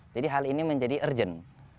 jadi hal ini menjadi urgent